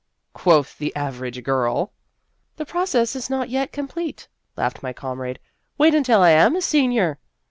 " Quoth the average girl !"" The process is not yet complete," laughed my comrade ;" wait until I am a senior."